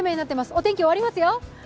お天気終わりますよ。